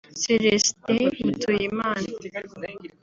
Celestin Mutuyimana